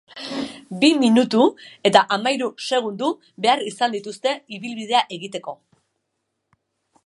Bi minutu eta hamahiru segundo behar izan dituzte ibilbidea egiteko.